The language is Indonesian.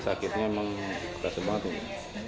sakitnya memang keras banget ya